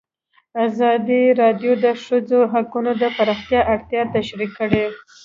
ازادي راډیو د د ښځو حقونه د پراختیا اړتیاوې تشریح کړي.